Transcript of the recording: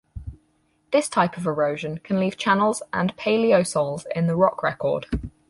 This type of erosion can leave channels and paleosols in the rock record.